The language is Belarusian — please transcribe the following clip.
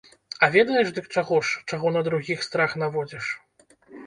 А ведаеш, дык чаго ж, чаго на другіх страх наводзіш?